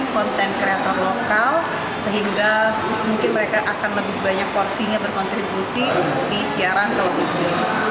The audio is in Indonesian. konten kreator lokal sehingga mungkin mereka akan lebih banyak porsinya berkontribusi di siaran televisi